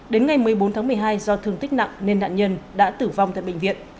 đến ngày một mươi bốn tháng một mươi hai do thương tích nặng nên nạn nhân đã tử vong tại bệnh viện